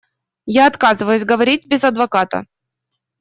Я отказываюсь говорить без адвоката.